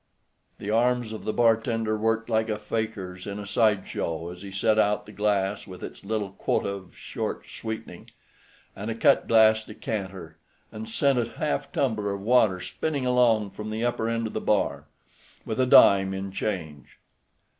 The arms of the bartender worked like a faker's in a side show as he set out the glass with its little quota of "short sweetening" and a cut glass decanter, and sent a half tumbler of water spinning along from the upper end of the bar with a dime in change.